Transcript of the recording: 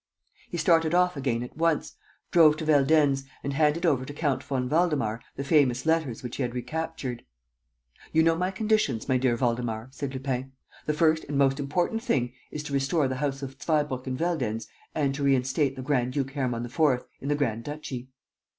He started off again at once, drove to Veldenz and handed over to Count von Waldemar the famous letters which he had recaptured: "You know my conditions, my dear Waldemar," said Lupin. "The first and most important thing is to restore the House of Zweibrucken Veldenz and to reinstate the Grand duke Hermann IV., in the grand duchy."